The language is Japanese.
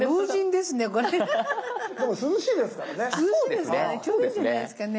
でも涼しいですからね。